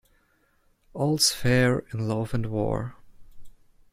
All's fair in love and war.